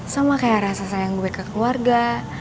sama kayak rasa sayang gue ke keluarga